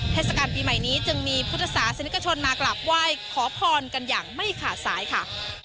เทศกาลปีใหม่นี้จึงมีพุทธศาสนิกชนมากราบไหว้ขอพรกันอย่างไม่ขาดสายค่ะ